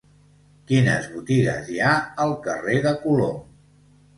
Quines botigues hi ha al carrer de Colom?